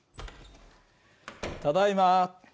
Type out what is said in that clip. ただいま。